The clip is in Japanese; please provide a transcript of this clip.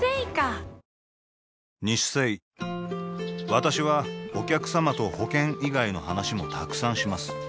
私はお客様と保険以外の話もたくさんします